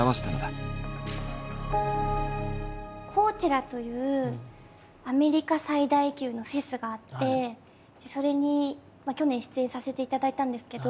コーチェラというアメリカ最大級のフェスがあってそれに去年出演させていただいたんですけど。